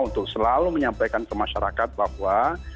untuk selalu menyampaikan ke masyarakat bahwa